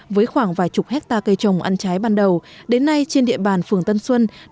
với khoảng vài chục hectare cây trồng ăn trái ban đầu đến nay trên địa bàn phường tân xuân